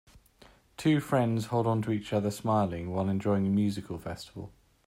Two friends hold onto each other smiling while enjoying a musical festival.